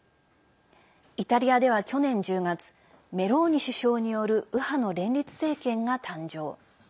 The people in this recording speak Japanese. イタリアでは去年１０月メローニ首相による右派の連立政権が誕生。